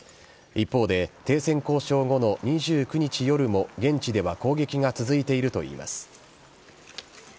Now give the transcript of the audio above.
一方で、停戦交渉後の２９日夜も現地では攻撃が続いているといいます。